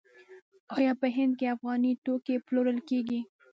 آیا په هند کې افغاني توکي پلورل کیږي؟